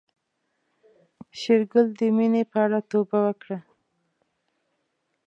شېرګل د مينې په اړه توبه وکړه.